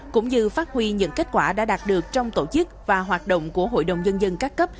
cũng như phát huy những kết quả đã đạt được trong tổ chức và hoạt động của hội đồng nhân dân các cấp